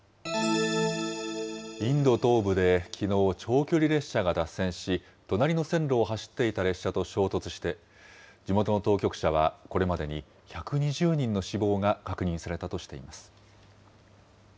インド東部できのう、長距離列車が脱線し、隣の線路を走っていた列車と衝突して、地元の当局者は、これまでに１２０人の死亡が確認されたとしています。